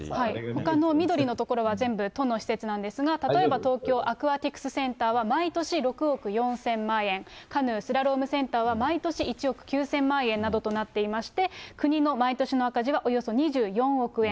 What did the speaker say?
ほかの緑の所は全部都の施設なんですが、例えば、東京アクアティクスセンターは、毎年６億４０００万円、カヌー・スラロームセンターは毎年１億９０００万円などとなっていまして、国の毎年の赤字はおよそ２４億円。